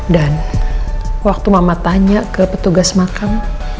dan waktu mama tanya ke petugas makam